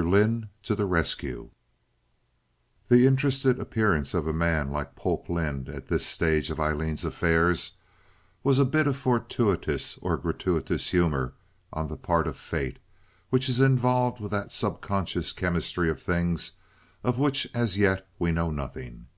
Lynde to the Rescue The interested appearance of a man like Polk Lynde at this stage of Aileen's affairs was a bit of fortuitous or gratuitous humor on the part of fate, which is involved with that subconscious chemistry of things of which as yet we know nothing.